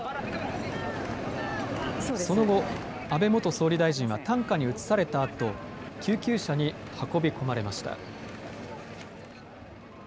その後、安倍元総理大臣は担架に移されたあと救急車に運び込まれました。